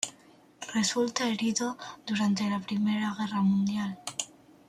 Resulta herido durante la Primera Guerra Mundial.